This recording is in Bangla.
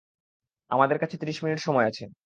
আমাদের কাছে ত্রিশ মিনিট সময় আছে।